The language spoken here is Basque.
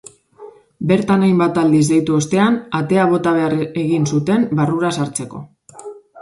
Bertan hainbat aldiz deitu ostean, atea bota behar egin zuten barrura sartzeko.